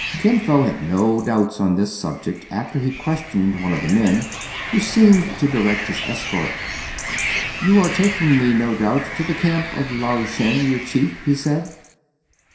Kin Fo had no doubts on this subject after he questioned one of the men, who seemed to direct his escort. " You are taking me, no doubt, to the camp of Lao Shen, your chief .^'* he said.